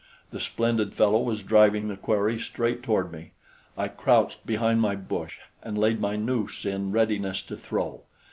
The splendid fellow was driving the quarry straight toward me. I crouched behind my bush and laid my noose in readiness to throw.